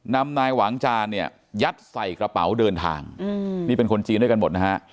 นำนายหวังจานเนี่ยยัดใส่กระเป๋าเดินทางนี่เป็นคนจีนด้วยกันหมดนะฮะ